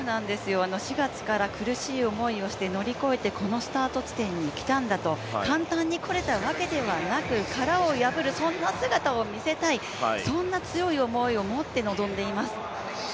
４月から苦しい思いをしてこのスタート地点に来たんだと、簡単に来れたわけではなく殻を破る姿を見せたいそんな強い思いを持って臨んでいます。